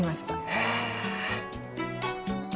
へえ。